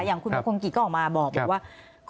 อย่างคุณมงคลกิจก็ออกมาบอกว่า